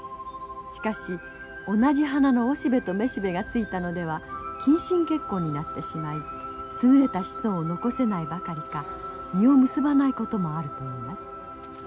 しかし同じ花のオシベとメシベがついたのでは近親結婚になってしまい優れた子孫を残せないばかりか実を結ばないこともあるといいます。